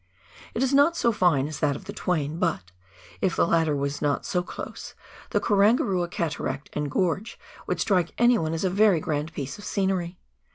It is not so fine as that of the Twain, but — if the latter was not so close — the Karangarua Cataract and Gorge would strike anyone as a very grand piece of scenery.